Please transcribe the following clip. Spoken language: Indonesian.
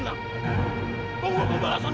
gak usah pake uang